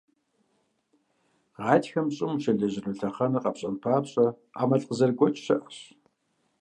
Гъатхэм щӀым ущелэжьыну лъэхъэнэр къэпщӀэн папщӀэ, Ӏэмал къызэрыгуэкӀ щыӀэщ.